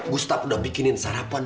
gustaf udah bikinin sarapan